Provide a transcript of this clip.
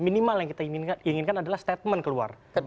minimal yang kita inginkan adalah statement keluar